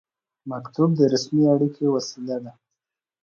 مکتوب د رسمي اړیکې وسیله ده